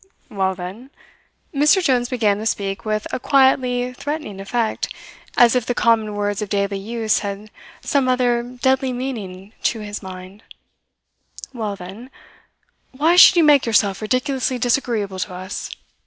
"Well, then" Mr. Jones began to speak with a quietly threatening effect, as if the common words of daily use had some other deadly meaning to his mind "well, then, why should you make yourself ridiculously disagreeable to us?